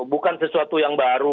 bukan sesuatu yang baru